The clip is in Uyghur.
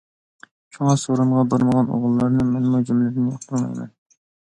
شۇڭا سورۇنغا بارمىغان ئوغۇللارنى مەنمۇ جۈملىدىن ياقتۇرمايمەن!